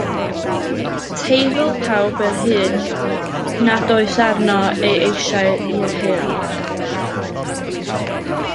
Teifl pawb yr hyn nad oes arno ei eisiau i'r heol.